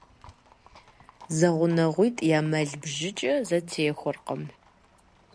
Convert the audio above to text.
Зэгъунэгъуитӏ я мэл бжыкӏэ зэтехуэркъым.